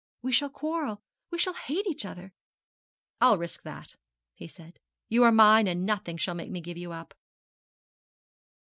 We shall quarrel we shall hate each other.' 'I'll risk that,' he said; 'you are mine, and nothing shall make me give you up.'